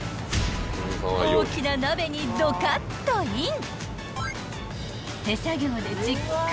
［大きな鍋にドカッとイン］